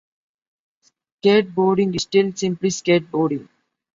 Skateboarding is still simply skateboarding.